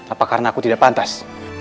apa karena aku tidak pantas